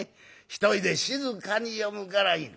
一人で静かに読むからいい」。